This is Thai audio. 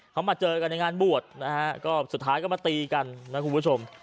เขามาเจอกันในงานบวชนะฮะก็สุดท้ายก็มาตีกันนะคุณผู้ชม